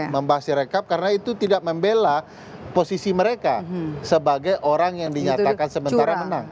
membahas direkap karena itu tidak membela posisi mereka sebagai orang yang dinyatakan sementara menang